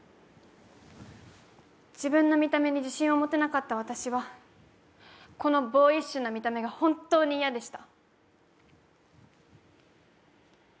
自分の見た目に自信を持てなかった私は、このボーイッシュな見た目が本当に嫌でした。